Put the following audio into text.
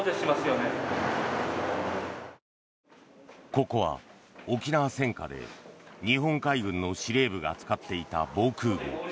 ここは沖縄戦下で日本海軍の司令部が使っていた防空壕。